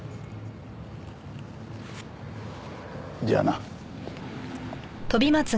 じゃあな。